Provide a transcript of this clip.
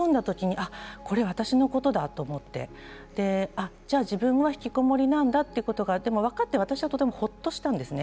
それを読んだ時にこれ私のことだと思って自分がひきこもりなんだということが分かって私はとてもほっとしたんです。